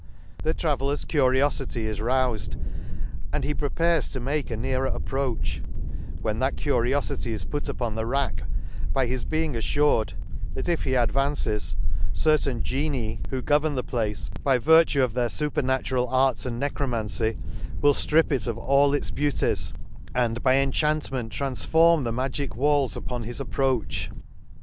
— The travellers curiofity is rouzed* and he prepares to make a nearer ap proach ; when that curiofity is put upon the rack, by his being affured, that if he advances, certain genii who govern the place, by virtue of their fupef natural arts and the Lake s« roj and necromancy* will ftrip it of all its beauties, and by inchantment transform the magic walls upon his approach.